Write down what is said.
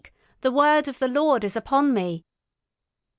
The word of the Lord is upon me!"